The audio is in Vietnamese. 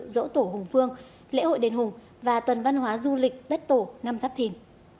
dỗ tổ hùng phương lễ hội đền hùng và tuần văn hóa du lịch đất tổ năm giáp thìn